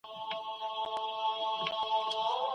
خدای په ټولو حیوانانو کی نادان کړم